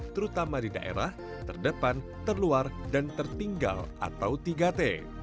terutama di daerah terdepan terluar dan tertinggal atau tiga t